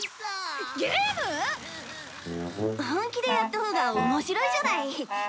本気でやったほうが面白いじゃない。